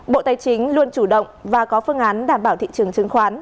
bộ tài chính luôn chủ động và có phương án đảm bảo thị trường chứng khoán